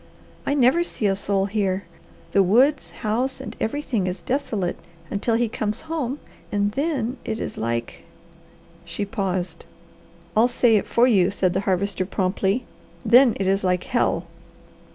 I never see a soul here; the woods, house, and everything is desolate until he comes home and then it is like " she paused. "I'll say it for you," said the Harvester promptly. "Then it is like hell."